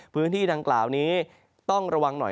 พื้นที่ดังกล่าวนี้ต้องระวังหน่อย